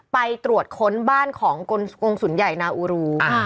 ไปตรวจค้นบ้านของกรงศูนย์ใหญ่นาอูรู